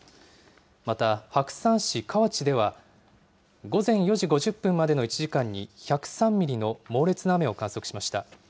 また、白山市河内では午前４時５０分までの１時間に１０３ミリの猛烈な雨を観測しました。